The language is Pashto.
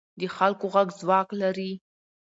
د خلکو غږ ځواک لري